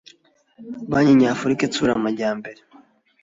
banki nyafurika itsura amajyambere